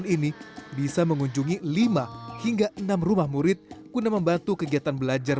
seribu sembilan ratus tujuh puluh delapan ini bisa mengunjungi lima hingga enam rumah murid kuna membantu kegiatan belajar